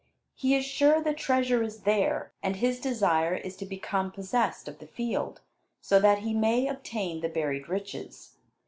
He is sure the treasure is there; and his desire is to become possessed of the field, so that he may obtain the buried riches.